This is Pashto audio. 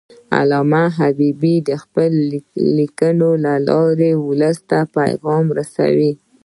علامه حبیبي د خپلو لیکنو له لارې ولس ته پیغام ورساوه.